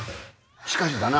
しかしだな。